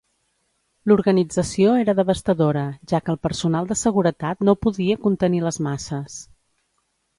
L'organització era devastadora, ja que el personal de seguretat no podia contenir les masses.